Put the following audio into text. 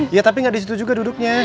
ya tapi nggak disitu juga duduknya